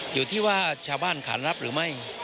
อยู่ที่ว่าชาวบ้านขานรับหรือไม่